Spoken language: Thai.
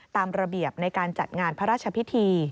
ตามระเบียบในการจัดงานพระราชพิธี